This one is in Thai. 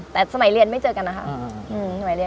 แต่สมัยเรียนไม่เจอกันนะคะ